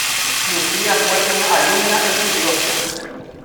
Lucía fue una alumna estudiosa.